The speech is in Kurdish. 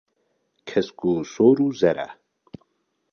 Kesk û sor û zer e.